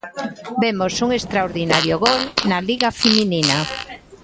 Vemos un extraordinario gol na Liga feminina.